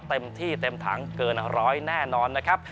เต็มที่เต็มถังเกินร้อยแน่นอนนะครับ